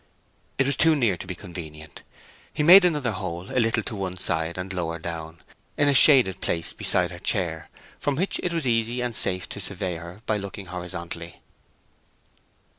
It was too near to be convenient. He made another hole a little to one side and lower down, in a shaded place beside her chair, from which it was easy and safe to survey her by looking horizontally.